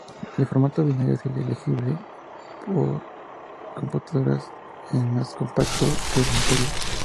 El formato binario es legible por computadoras, es más compacto que el anterior.